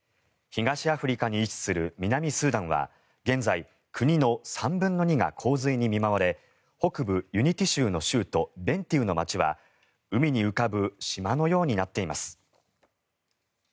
東アフリカに位置する南スーダンは現在、国の３分の２が洪水に見舞われ北部ユニティ州の州都ベンティウの街は海に浮かぶ島のようになっています。